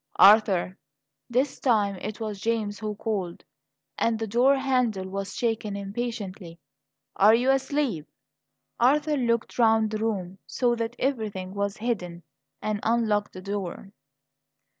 "Arthur!" This time it was James who called, and the door handle was shaken impatiently. "Are you asleep?" Arthur looked round the room, saw that everything was hidden, and unlocked the door.